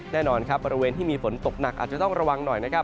แน่นอนครับบริเวณที่มีฝนตกหนักอาจจะต้องระวังหน่อยนะครับ